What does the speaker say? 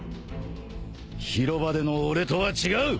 広場での俺とは違う！